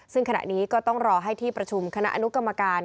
ซึ่งขณะนี้ก็ต้องรอให้ที่ประชุมคณะอนุกรรมการ